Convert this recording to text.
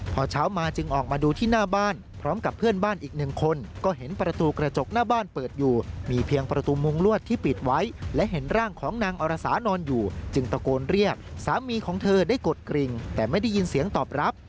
พอเช้ามาจึงออกมาดูที่หน้าบ้านพร้อมกับเพื่อนบ้านอีกหนึ่งคนก็เห็นประตูกระจกหน้าบ้านเปิดอยู่มีเพียงประตูมุงลวดที่ปิดไว้และเห็นร่างของนางอรสานอนอยู่จึงตะโกนเรียกสามีของเธอได้กดกริ่งแต่ไม่ได้ยินเสียงตอบรับ